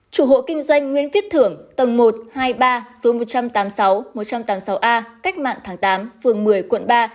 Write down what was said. chủ hộ kinh doanh nguyễn viết thưởng tầng một hai mươi ba số một trăm tám mươi sáu một trăm tám mươi sáu a cách mạng tháng tám phường một mươi quận ba